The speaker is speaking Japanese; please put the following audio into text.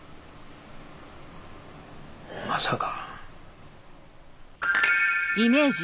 まさか。